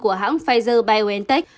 của hãng pfizer biontech